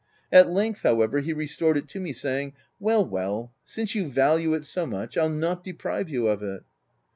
At length however, he restored it to me, saying — w Well, well, since you value it so much, I'll not deprive you of it."